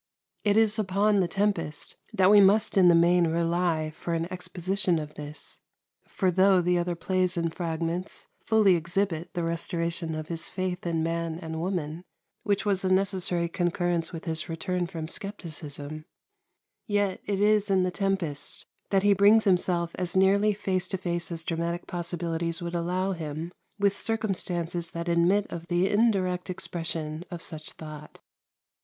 It is upon "The Tempest" that we must in the main rely for an exposition of this; for though the other plays and fragments fully exhibit the restoration of his faith in man and woman, which was a necessary concurrence with his return from scepticism, yet it is in "The Tempest" that he brings himself as nearly face to face as dramatic possibilities would allow him with circumstances that admit of the indirect expression of such thought.